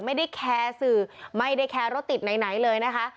ไม่ได้แคร์สื่อไม่ได้แคร์รถติดไหนเลยนะคะ